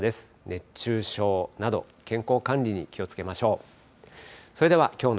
熱中症など健康管理に気をつけましょう。